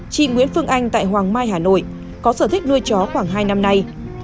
chị nguyễn phương anh tại hoàng mai hà nội có sở thích nuôi chó khoảng hai năm nay